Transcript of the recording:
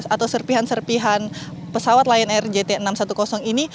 atau serpihan serpihan pesawat lion air jt enam ratus sepuluh ini